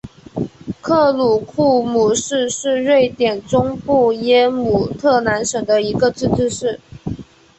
克鲁库姆市是瑞典中部耶姆特兰省的一个自治市。